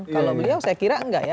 kalau beliau saya kira enggak ya